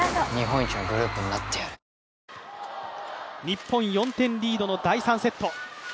日本、４点リードの第３セット。